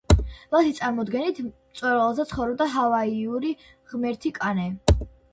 მათი წარმოდგენით მწვერვალზე ცხოვრობდა ჰავაიური ღმერთი კანე.